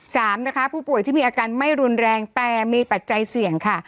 สามนะคะผู้ป่วยที่มีอาการไม่รุนแรงแต่มีปัจจัยเสี่ยงค่ะ